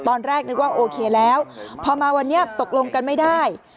ตอนแรกนึกว่าโอเคแล้วพอมาวันนี้ตกลงกันไม่ได้